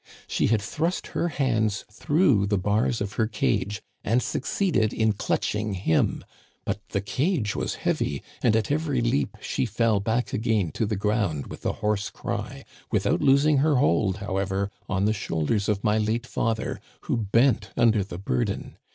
She had thrust her hands through the bars of her cage and succeeded in clutching him ; but the cage was heavy, and at every leap she fell back again to the ground with a hoarse cry, without losing her hold, however, on the shoulders of my late father, who bent under the burden.